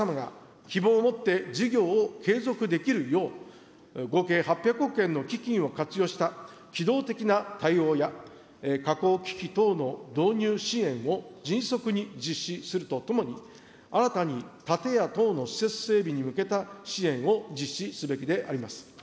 引き続き水産業の皆様が、希望を持って事業を継続できるよう、合計８００億円の基金を活用した機動的な対応や、加工機器等の導入支援を迅速に実施するとともに、新たに建屋等の施設整備に向けた支援を実施すべきであります。